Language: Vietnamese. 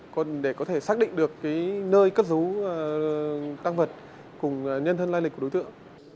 còn để có thể xác định được cái nơi cất rú tăng vật cùng nhân thân lai lịch của đối tượng